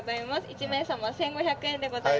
１名様１５００円でございます。